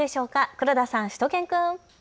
黒田さん、しゅと犬くん。